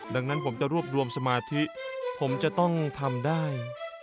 ดังนั้นผมจะรวบรวมสมาธิผมจะต้องทำได้